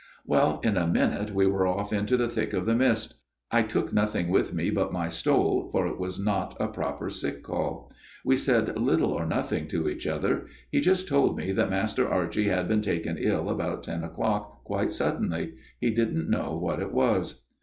" Well, in a minute we were off into the thick of the mist. I took nothing with me but my stole, for it was not a proper sick call. We said little or nothing to each other. He just told me that Master Archie had been taken ill about ten o'clock, quite suddenly. He didn't know what it was."